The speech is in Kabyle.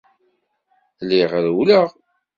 Lliɣ rewwleɣ.